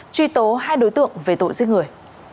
truy tố hai đối tượng về tội giết người